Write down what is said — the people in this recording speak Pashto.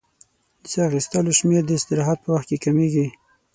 د سا اخیستلو شمېر د استراحت په وخت کې کمېږي.